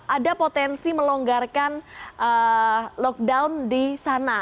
ada potensi melonggarkan lockdown di sana